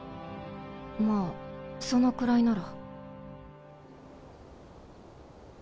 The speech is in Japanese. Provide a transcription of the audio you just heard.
まぁそのくらいなら。